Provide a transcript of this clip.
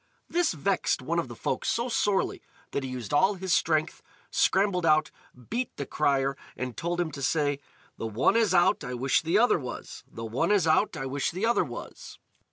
This vexed one of the folk so sorely that he used all his strength, scrambled out, beat the crier, and told him to say. "The one is out, I wish the other was! The one is out, I wish the other was!"